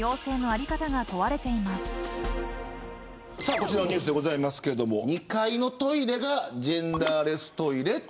こちらのニュースですが２階のトイレがジェンダーレストイレ。